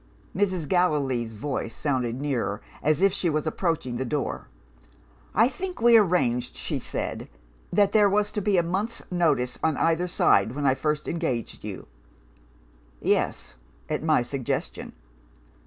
"Mrs. Gallilee's voice sounded nearer, as if she was approaching the door. 'I think we arranged,' she said, 'that there was to be a month's notice on either side, when I first engaged you?' "'Yes at my suggestion.